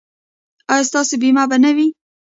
ایا ستاسو بیمه به نه وي؟